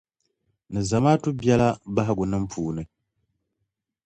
Ni zamaatu biɛla bahigunima puuni.